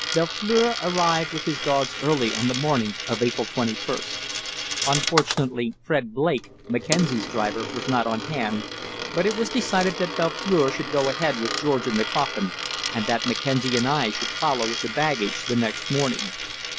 Belfleur arrived with his dogs early on the morning of April 21st. Unfortunately Fred Blake, Mackenzie's driver, was not on hand, but it was decided that Belfleur should go ahead with George and the coffin, and that Mackenzie and I should follow with the baggage the next morning.